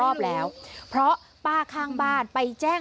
สุดทนแล้วกับเพื่อนบ้านรายนี้ที่อยู่ข้างกัน